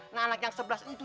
nah anak yang sebelas itu